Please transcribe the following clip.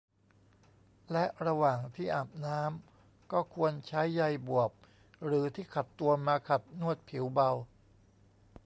และระหว่างที่อาบน้ำก็ควรใช้ใยบวบหรือที่ขัดตัวมาขัดนวดผิวเบา